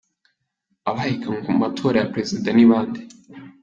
Abahiganywe mu matora ya prezida ni bande?.